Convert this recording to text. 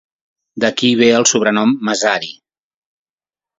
D'aquí ve el sobrenom "Mazari".